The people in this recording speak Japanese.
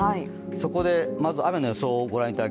そこで、雨の予想です